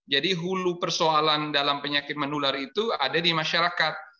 jadi hulu persoalan dalam penyakit menular itu ada di masyarakat